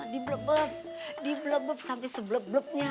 diblebep diblebep sampe seblebepnya